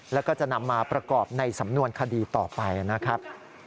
แล้วก็จะนำมาประกอบในสำนวนคดีต่อไปนะครับ